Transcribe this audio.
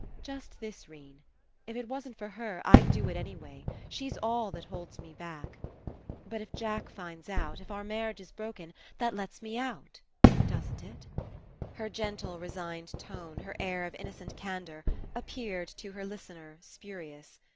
"Just this, 'Rene. If It wasn't for her, I'd do it any way. She's all that holds me back. But if Jack 197 PASSING finds out, if our marriage is broken, that lets me out. Doesn't it?" Her gentle resigned tone, her air of in nocent candour, appeared, to her listener, spuri ous.